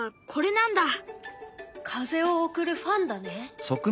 風を送るファンだね。